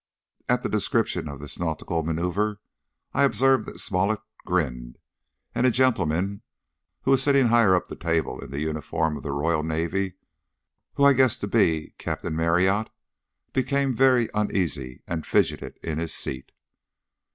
At the description of this nautical manoeuvre I observed that Smollett grinned, and a gentleman who was sitting higher up the table in the uniform of the Royal Navy, and who I guessed to be Captain Marryat, became very uneasy and fidgeted in his seat.